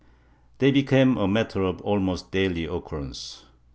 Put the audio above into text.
They became a matter of almost daily occurrence.